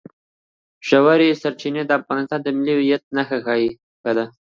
ژورې سرچینې د افغانستان د ملي هویت نښه ده.